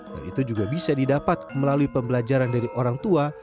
dan itu juga bisa didapat melalui pembelajaran dari orang tua